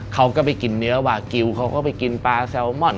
เขาก็ไปกินเนื้อวากิลเขาก็ไปกินปลาแซลมอน